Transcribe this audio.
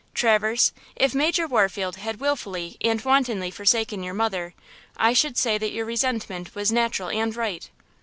"Traverse, if Major Warfield had wilfully and wantonly forsaken your mother, I should say that your resentment was natural and right.